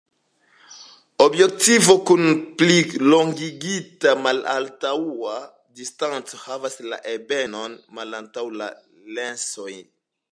Objektivo kun plilongigita malantaŭa distanco havas la ebenon malantaŭ la lensoj.